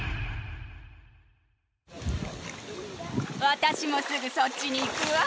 私もすぐそっちに行くわ。